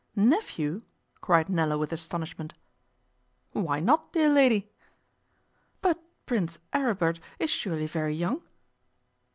'Nephew?' cried Nella with astonishment. 'Why not, dear lady?' 'But Prince Aribert is surely very young?